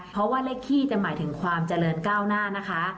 เพราะว่าเลขขี้จะหมายถึงความเจริญก้าวหน้านะคะ